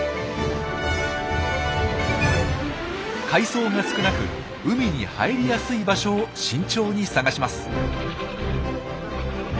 海藻が少なく海に入りやすい場所を慎重に探します。